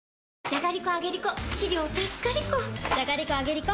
じゃがりこ、あげりこ！